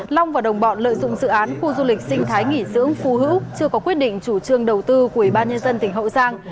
long và đồng bọn lợi dụng dự án khu du lịch sinh thái nghỉ dưỡng phú hữu chưa có quyết định chủ trương đầu tư của ủy ban nhân dân tỉnh hậu giang